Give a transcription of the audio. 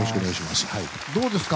どうですか？